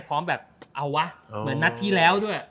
แบบเอาวะเหมือนนัดที่แล้วด้วย